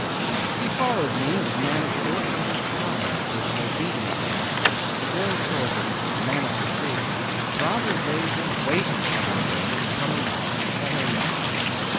'He followed me as manageable as a little child, with an obedient air, with no sort of manifestation, rather as though he had been waiting for me there to come along and carry him off.